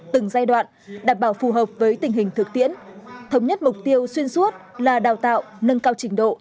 từng giai đoạn đảm bảo phù hợp với tình hình thực tiễn thống nhất mục tiêu xuyên suốt là đào tạo nâng cao trình độ